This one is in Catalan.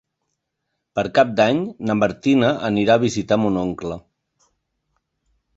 Per Cap d'Any na Martina anirà a visitar mon oncle.